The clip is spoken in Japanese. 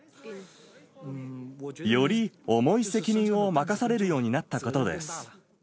より重い責任を任されるようになったことです。